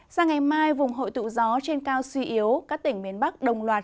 sang ngày mai vùng hội tụ gió trên cao suy yếu các tỉnh miền bắc đồng loạt